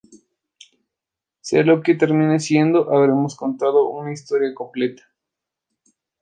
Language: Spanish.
Sea lo que termine siendo, habremos contado una historia completa".